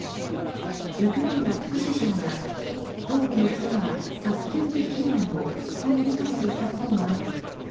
ウクライナ副首相が東部の人は早急に避難をと呼びかけていたこともあり